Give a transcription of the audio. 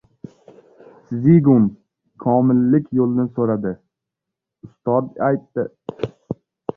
Szigun komillik yo‘lini so‘radi. Ustod aytdi: